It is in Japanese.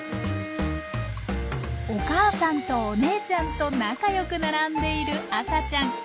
お母さんとお姉ちゃんと仲良く並んでいる赤ちゃん。